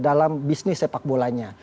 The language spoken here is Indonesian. dalam bisnis sepak bolanya